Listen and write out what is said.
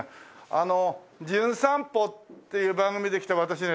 あの『じゅん散歩』っていう番組で来た私ね